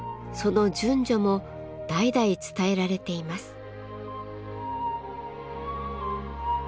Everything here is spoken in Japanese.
その順序も代々伝えられています。